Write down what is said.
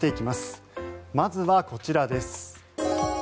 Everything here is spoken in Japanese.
まずは、こちらです。